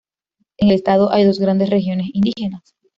En el estado hay dos grandes regiones indígenas.